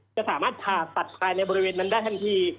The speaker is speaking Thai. จะสามารถผ่าตัดภายในบริเวณนั้นได้ทันที